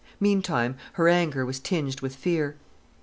Meantime her anger was tinged with fear.